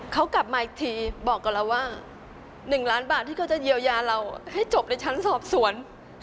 เขากลับมาอีกทีบอกกับเราว่า๑ล้านบาทที่เขาจะเยียวยาเราให้จบในชั้นสอบสวน